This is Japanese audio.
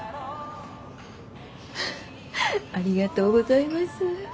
ありがとうございます。